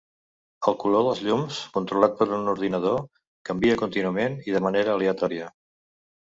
El color dels llums, controlat per un ordinador, canvia contínuament i de manera aleatòria.